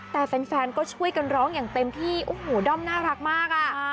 แต่แฟนก็ช่วยกันร้องอย่างเต็มที่โอ้โหด้อมน่ารักมากอ่ะ